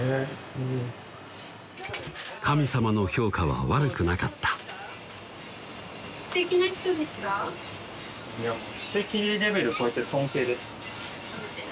うん神様の評価は悪くなかったいやアハハ！